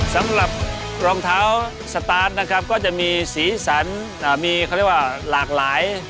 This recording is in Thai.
สำหรับรองเท้าสตาร์ทนะครับก็จะมีสีสันมีเขาเรียกว่าหลากหลาย